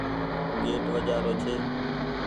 گيٽ وآجرو ڇي۔